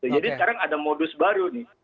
jadi sekarang ada modus baru nih